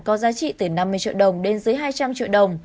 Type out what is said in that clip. có giá trị từ năm mươi triệu đồng đến dưới hai trăm linh triệu đồng